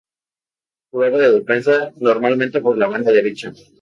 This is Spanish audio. Jugaba de defensa, normalmente por la banda derecha.